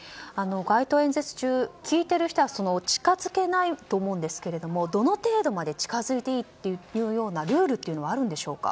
街頭演説中、聞いている人は近づけないと思うんですけどもどの程度まで近づいていいというようなルールはあるんでしょうか。